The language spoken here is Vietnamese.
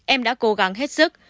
em đã cố gắng hết sức